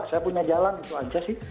saya punya jalan itu aja sih